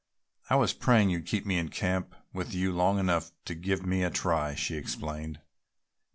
"I was praying you'd keep me in camp with you long enough to give me a try," she explained.